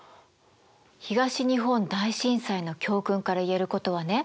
東日本大震災の教訓から言えることはね